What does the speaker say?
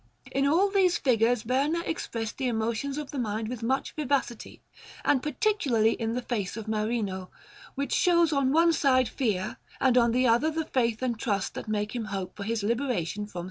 In all these figures Berna expressed the emotions of the mind with much vivacity, and particularly in the face of Marino, which shows on one side fear, and on the other the faith and trust that make him hope for his liberation from S.